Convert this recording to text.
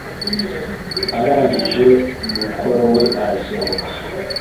Arangije umukoro we, arasohoka.